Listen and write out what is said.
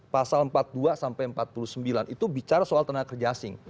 pasal empat puluh dua sampai empat puluh sembilan itu bicara soal tenaga kerja asing